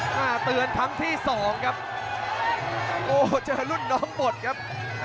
เตือนครั้งที่สองครับโอ้เจอรุ่นน้องหมดครับ